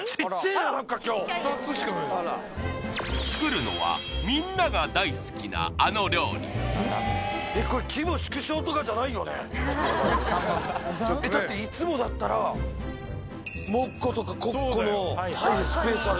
作るのはみんなが大好きなあの料理えっこれえっだっていつもだったらもっ子とかこっ子の入る